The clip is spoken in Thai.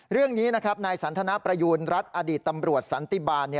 เรื่องนี้นะครับนายสันทนประยูณรัฐอดีตตำรวจสันติบาล